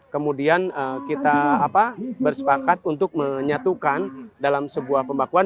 kemudian kita bersepakat untuk menyatukan dalam sebuah pembakuan